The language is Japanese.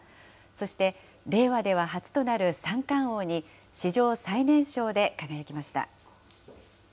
そして令和では初となる三冠王に史上最年少で輝きました。